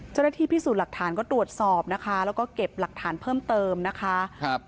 เจ้าหน้าที่พิสูจน์หลักฐานก็ตรวจสอบนะคะแล้วก็เก็บหลักฐานเพิ่มเติมนะคะครับ